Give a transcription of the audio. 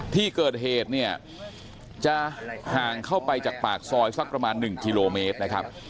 ที่เกิดเหตุเนี่ยจะห่างเข้าไปจากปากซอยสักประมาณ๑กิโลเมตรนะครับ